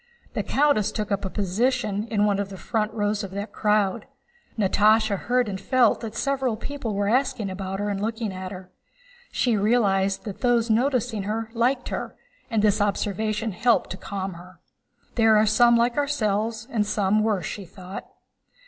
The countess took up a position in one of the front rows of that crowd. Natásha heard and felt that several people were asking about her and looking at her. She realized that those noticing her liked her, and this observation helped to calm her. "There are some like ourselves and some worse," she thought.